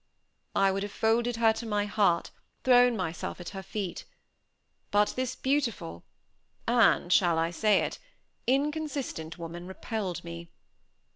I would have folded her to my heart thrown myself at her feet. But this beautiful and shall I say it inconsistent woman repelled me.